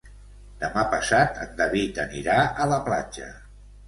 Demà passat en David anirà a la platja.